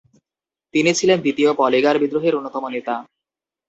তিনি ছিলেন দ্বিতীয় পলিগার বিদ্রোহের অন্যতম নেতা।